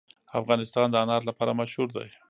افغانستان د انار لپاره مشهور دی.